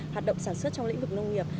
hoạt động sản xuất trong lĩnh vực nông nghiệp